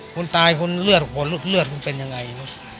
คุณตายคุณเลือดควรเลือดคุณเป็นยังไง